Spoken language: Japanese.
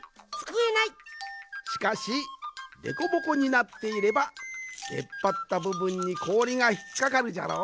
しかしでこぼこになっていればでっぱったぶぶんにこおりがひっかかるじゃろ。